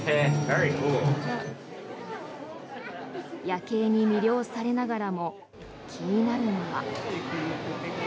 夜景に魅了されながらも気になるのは。